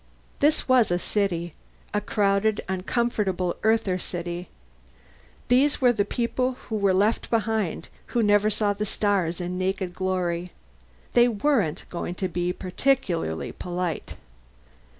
This was a city. A crowded, uncomfortable Earther city. These were the people who were left behind, who never saw the stars in naked glory. They weren't going to be particularly polite.